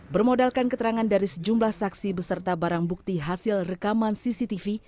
bermodalkan keterangan dari sejumlah saksi beserta barang bukti hasil rekaman cctv